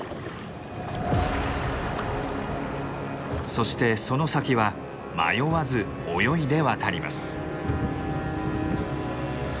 そしてその先は迷わず泳いで渡ります。